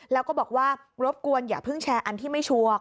แล้วก็บอกว่ารบกวนอย่าเพิ่งแชร์อันที่ไม่ชัวร์